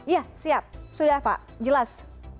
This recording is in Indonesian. iya siap sudah pak jelas